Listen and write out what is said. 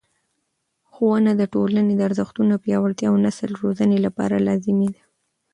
ښوونه د ټولنې د ارزښتونو د پیاوړتیا او نسل روزنې لپاره لازمي ده.